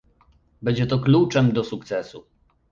Będzie to kluczem do sukcesu